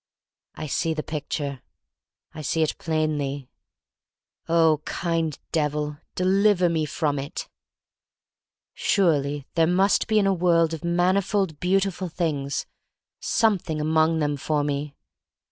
I see the picture. I see it plainly. Oh, kind Devil, deliver me from it! Surely there must be in a world of manifold beautiful things something among them for me.